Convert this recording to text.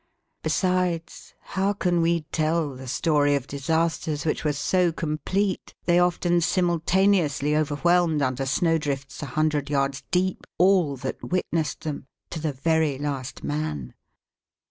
Besides how can we tell the story of disasters which were so complete they often simultaneously overwhelmed under snow drifts a hundred yards deep all that witnessed them, to the very last man.